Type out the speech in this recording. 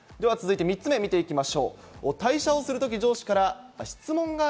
続いて３つ目を見ていきます。